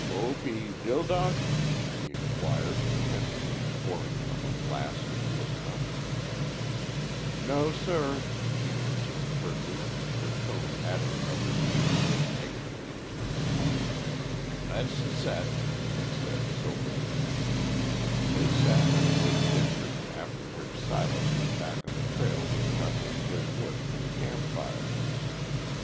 "Opeydildock?" he inquired, tenderly, pouring from a flask into a cup. "No, sir," she answered, curtly, her tone adding a rebuke to her negative answer. "Le's s set," said he, soberly. They sat and ate their dinner, after which Silas went back on the trail to cut and bring wood for the camp fire.